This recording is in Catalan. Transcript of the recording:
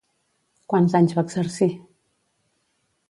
Quants anys va exercir?